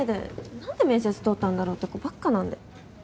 何で面接通ったんだろうって子ばっかなんで。